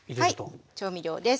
はい調味料です。